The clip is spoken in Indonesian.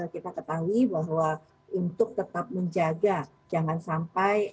kita harus mengetahui bahwa untuk tetap menjaga jangan sampai